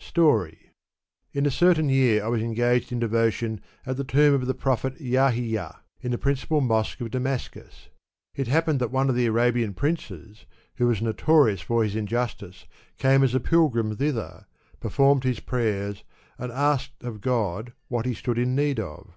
^ Story. In a certain year I was engaged in devotion at the tomb of the Prophet Yahiya, * in the principal mosque of Damascus. It happened that one of the Arabian princes, who was notorious for his injustice, came as a pilgrim thither, performed his prayers, and asked [of God] what he stood in need of.